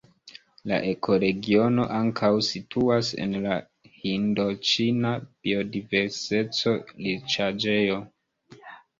La ekoregiono ankaŭ situas en la Hindoĉina biodiverseco-riĉaĵejo.